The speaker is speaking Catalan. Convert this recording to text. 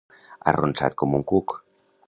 Arronsat com un cuc.